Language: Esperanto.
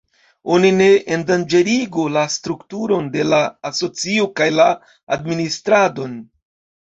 Oni ne endanĝerigu la strukturon de la asocio kaj la administradon.